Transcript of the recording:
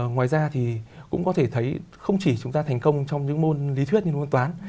ngoài ra thì cũng có thể thấy không chỉ chúng ta thành công trong những môn lý thuyết như môn toán